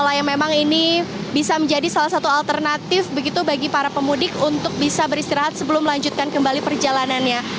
apakah memang ini bisa menjadi salah satu alternatif begitu bagi para pemudik untuk bisa beristirahat sebelum melanjutkan kembali perjalanannya